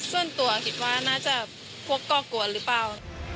ส่วนตัวคิดว่าน่าจะพวกก่อกวนหรือเปล่า